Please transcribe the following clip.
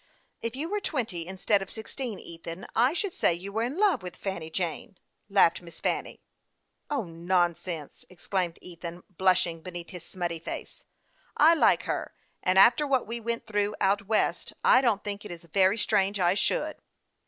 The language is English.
" If you were twenty, instead of sixteen, Ethan, I should say you were in love with Fanny Jane," laughed Miss Fanny. " O, nonsense !" exclaimed Ethan, blushing be 250 HASTE AND WASTE, OR neath his smutty face. " I like her, and after what \ve went through out west, I don't think it is very strange I should."